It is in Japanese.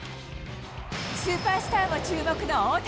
スーパースターも注目の大谷。